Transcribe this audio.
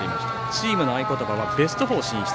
チームの合言葉はベスト４進出。